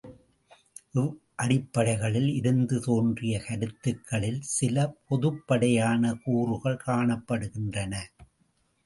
இவ்வடிப்படைகளில் இருந்து தோன்றிய கருத்துக்களில் சில பொதுப்படையான கூறுகள் காணப்படுகின்றன.